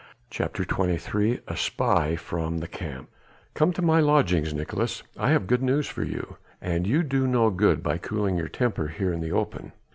CHAPTER XXIII A SPY FROM THE CAMP "Come to my lodgings, Nicolaes. I have good news for you, and you do no good by cooling your temper here in the open."